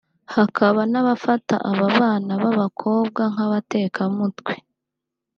hakaba n’abafataga aba bana b’abakobwa nk’abatekamutwe